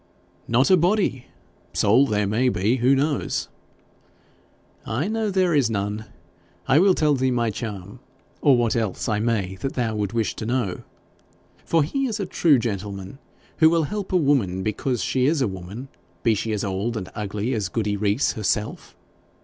'Not a body; soul there may be who knows?' 'I know there is none. I will tell thee my charm, or what else I may that thou would wish to know; for he is a true gentleman who will help a woman because she is a woman, be she as old and ugly as Goody Rees herself.